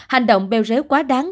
hành động bèo rớu quá đáng